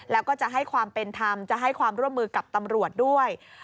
แล้วก็จะให้ความเป็นธรรมจะให้ความร่วมมือกับตำรวจด้วย